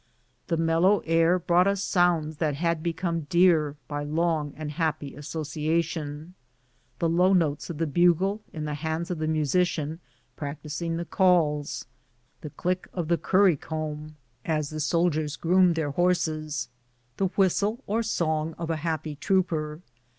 The mellow air brought us sounds that had become dear by long and happy association — the low notes of the bugle in the hands of the musician practising the calls ; the click of the currycomb as the soldiers groomed their horses; the whistle or song of a happy trooper.